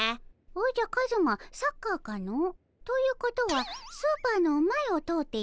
おじゃカズマサッカーかの？ということはスーパーの前を通って行くのかの？